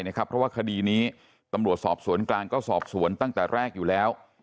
เพราะว่าคดีนี้ตำรวจสอบสวนกลางก็สอบสวนตั้งแต่แรกอยู่แล้ว